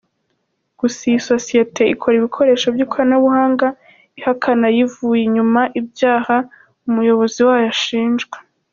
Gusa iyi sosiyete ikora ibikoresho by’ikoranabuhanga, ihakana yivuye inyuma ibyaha umuyobozi wayo ashinjwa.